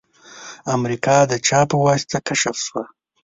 امریکا د چا په واسطه کشف شوه؟